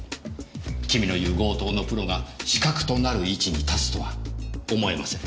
君の言う「強盗のプロ」が死角となる位置に立つとは思えません。